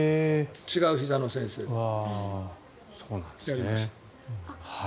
違うひざの先生でやりました。